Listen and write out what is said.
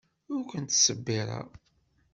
Ur ken-ttṣebbireɣ.